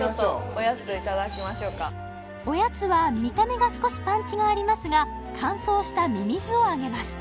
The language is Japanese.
おやついただきましょうかおやつは見た目が少しパンチがありますが乾燥したミミズをあげます